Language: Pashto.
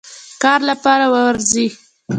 کار لپاره وروزی.